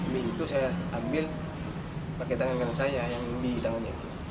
mie itu saya ambil pakai tangan tangan saya yang di tangannya itu